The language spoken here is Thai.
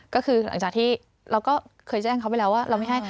ก็คือหลังจากที่เราก็เคยแจ้งเขาไปแล้วว่าเราไม่ให้